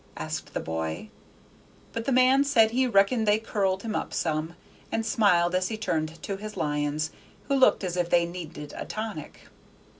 asked the boy; but the man said he reckoned they curled him up some, and smiled as he turned to his lions, who looked as if they needed a tonic.